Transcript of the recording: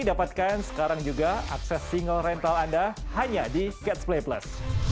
dapatkan sekarang juga akses single rental anda hanya di catch play plus